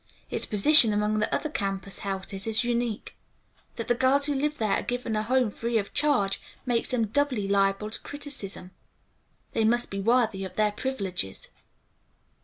It's position among the other campus houses is unique. That the girls who live there are given a home free of charge makes them doubly liable to criticism. They must be worthy of their privileges."